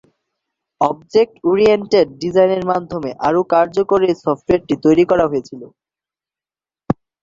Object oriented ডিজাইনের মাধ্যমে আরও কার্যকর এই সফটওয়্যারটি তৈরী করা হয়েছিল।